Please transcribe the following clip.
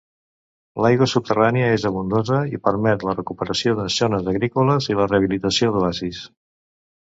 L'aigua subterrània és abundosa i permet la recuperació de zones agrícoles i la rehabilitació d'oasis.